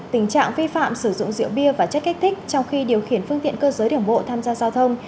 tình trạng vi phạm sử dụng rượu bia và chất kích thích trong khi điều khiển phương tiện cơ giới đường bộ tham gia giao thông